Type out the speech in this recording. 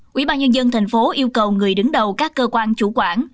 quỹ ba nhân dân tp hcm yêu cầu người đứng đầu các cơ quan chủ quản